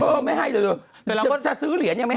พี่แมว่ะแต่หนุ่มไม่ได้พี่แมว่ะแต่หนุ่มไม่ได้